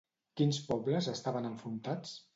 Quins pobles estaven enfrontats?